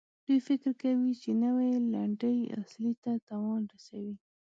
دوی فکر کوي چې نوي لنډۍ اصلي ته تاوان رسوي.